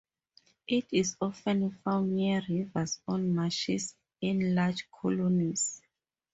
It is often found near rivers or marshes in large colonies.